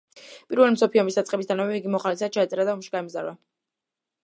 პირველი მსოფლიო ომის დაწყებისთანავე იგი მოხალისედ ჩაეწერა და ომში გაემგზავრა.